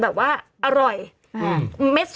โอเคโอเคโอเค